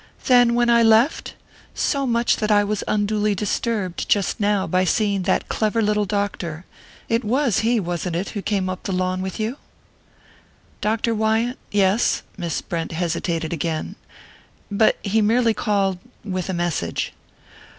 "Than when I left? So much so that I was unduly disturbed, just now, by seeing that clever little doctor it was he, wasn't it, who came up the lawn with you?" "Dr. Wyant? Yes." Miss Brent hesitated again. "But he merely called with a message."